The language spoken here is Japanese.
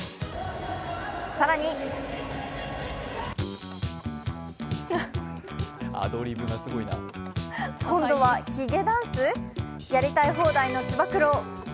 更に今度はひげダンス？やりたい放題のつば九郎。